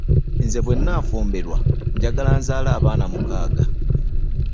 Nze bwe nafumbirwa njagala nzaale abaana mukaaga.